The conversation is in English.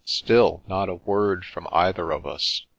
Still, not a word from either of us.